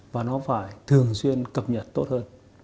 và nó phải thường xuyên cập nhật tốt hơn